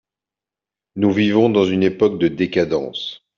Nous vivons dans une époque de décadence…